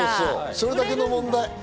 それだけの問題。